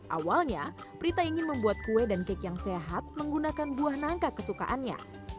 awalnya prita ingin membuat kue dan cake yang sehat menggunakan buah nangka kesukaannya